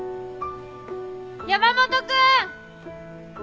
山本君！